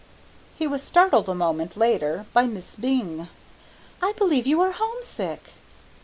He was startled a moment later by Miss Byng. "I believe you are homesick!"